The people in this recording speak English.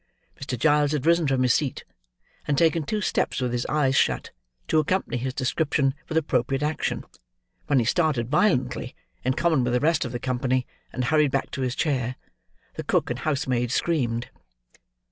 Mr. Giles had risen from his seat, and taken two steps with his eyes shut, to accompany his description with appropriate action, when he started violently, in common with the rest of the company, and hurried back to his chair. The cook and housemaid screamed.